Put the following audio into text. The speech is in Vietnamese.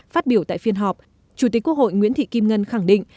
phát biểu tại phiên họp chủ tịch quốc hội nguyễn thị kim ngân khẳng định